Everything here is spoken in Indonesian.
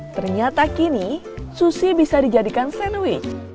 ternyata kini susi bisa dijadikan sandwich